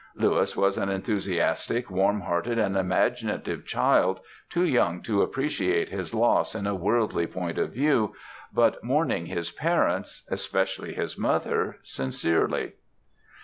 Louis was an enthusiastic, warm hearted, and imaginative child, too young to appreciate his loss in a worldly point of view, but mourning his parents especially his mother sincerely.